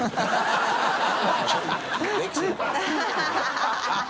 ハハハ